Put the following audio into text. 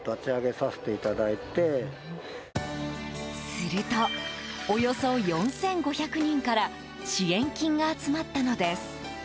すると、およそ４５００人から支援金が集まったのです。